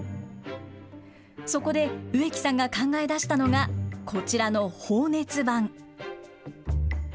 そこで植木さんが考え出したのが、こちらの放熱板。